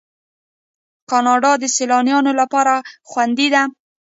کاناډا د سیلانیانو لپاره خوندي ده.